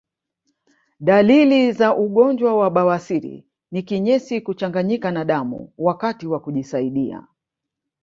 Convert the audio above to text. Dalili za ugonjwa wa bawasiri ni Kinyesi kuchanganyika na damu wakati wa kujisaidia